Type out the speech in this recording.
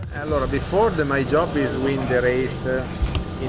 sebelumnya pekerjaan saya adalah menang di perairan